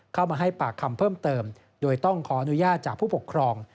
เข้ามาให้ปากคำเพิ่มเติมโดยต้องขออนุญาตจากผู้ปกครอง